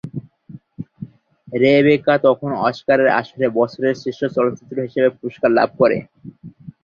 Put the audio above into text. Rebecca তখন অস্কারের আসরে বছরের শ্রেষ্ঠ চলচ্চিত্র হিসেবে পুরস্কার লাভ করে।